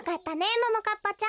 ももかっぱちゃん？